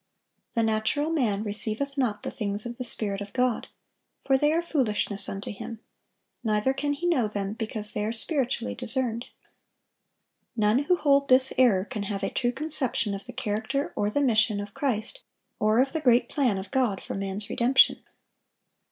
"The natural man receiveth not the things of the Spirit of God: for they are foolishness unto him: neither can he know them, because they are spiritually discerned."(921) None who hold this error can have a true conception of the character or the mission of Christ, or of the great plan of God for man's redemption.